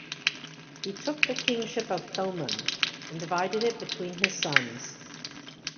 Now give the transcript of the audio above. He took the kingship of Thomond and divided it between his sons.